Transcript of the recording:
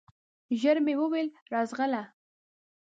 ژر مي وویل ! راځغله